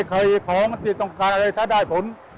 ใครคอยของสิทธิ์ต้องการเลยถ้าได้ผุล